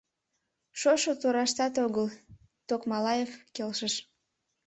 Шошо тораштат огыл, — Токмалаев келшыш.